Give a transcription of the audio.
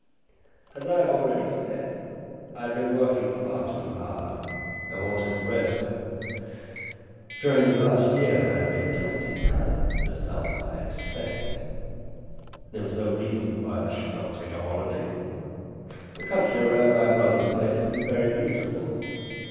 As I have already said, I had been working far too hard, and wanted a rest. During the last year I had made twenty times the sum that I had spent. There was no reason why I should not take a holiday. The country around my brother's place is very beautiful.